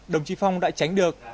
đồng chí phong đã tránh được